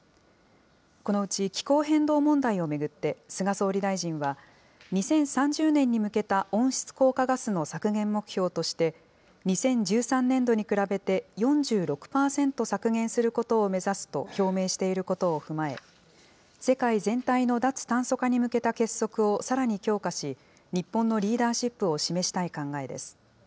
このうち気候変動問題を巡って、菅総理大臣は２０３０年に向けた温室効果ガスの削減目標として、２０１３年度に比べて、４６％削減することを目指すと表明していることを踏まえ、世界全体の脱炭素化に向けた結束をさらに強化し、日本のリーダーシップを示したい考えです。